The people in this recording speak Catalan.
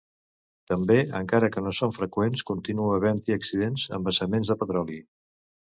També, encara que no són freqüents, continua havent-hi accidents amb vessaments de petroli.